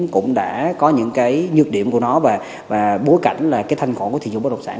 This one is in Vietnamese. cũng đã có những cái nhược điểm của nó và bối cảnh là cái thanh khổ của thị trường bất động sản